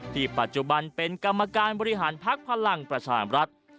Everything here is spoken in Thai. ที่ปัจจุบันเป็นกรรมการบริหารพากพลังประชาลรัฐ